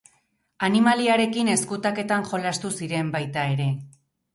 Animaliarekin ezkutaketan jolastu ziren, baita ere.